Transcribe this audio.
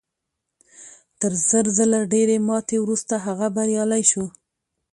تر زر ځله ډېرې ماتې وروسته هغه بریالی شو